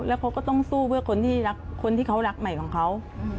แล้วเขาก็ต้องสู้เพื่อคนที่รักคนที่เขารักใหม่ของเขา